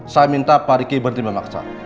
saya minta pariqi berhenti memaksa